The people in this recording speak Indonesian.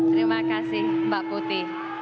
terima kasih mbak putih